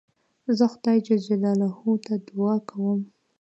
زه خدای جل جلاله ته دؤعا کوم.